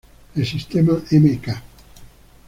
El sistema "Mk.